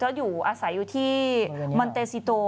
อาศัยอยู่ที่มันเตสิโต